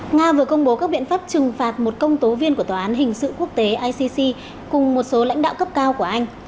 nga vừa công bố các biện pháp trừng phạt một công tố viên của tòa án hình sự quốc tế icc cùng một số lãnh đạo cấp cao của anh